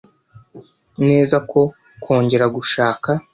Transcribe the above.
neza ko kongera gushaka